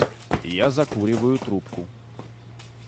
Я закуриваю трубку.